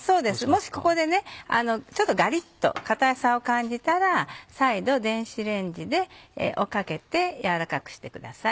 もしここでちょっとガリっと硬さを感じたら再度電子レンジをかけて軟らかくしてください。